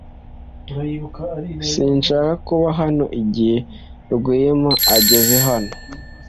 Sinshaka kuba hano igihe Rwema ageze hano.